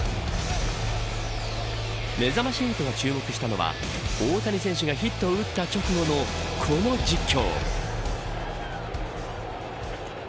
めざまし８が注目したのは大谷選手がヒットを打った直後のこの実況。